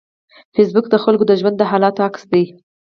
فېسبوک د خلکو د ژوند د حالاتو عکس دی